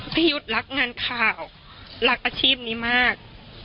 พี่ยุทธ์รักงานข่าวรักอาชีพนี้มาก